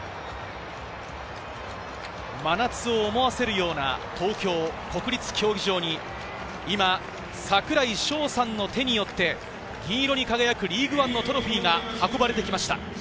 真夏を思わせるような東京・国立競技場に今、櫻井翔さんの手によって銀色に輝くリーグワンのトロフィーが運ばれてきました。